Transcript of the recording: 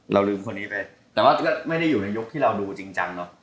ลืมคนนี้ไปแต่ว่าก็ไม่ได้อยู่ในยุคที่เราดูจริงจังเนอะ